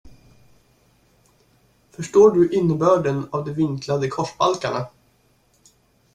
Förstår du innebörden av de vinklade korsbalkarna?